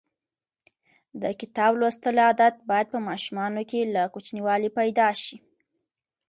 د کتاب لوستلو عادت باید په ماشومانو کې له کوچنیوالي پیدا شي.